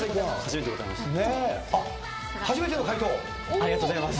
ありがとうございます。